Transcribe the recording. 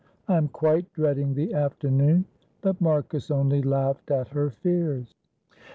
I am quite dreading the afternoon." But Marcus only laughed at her fears.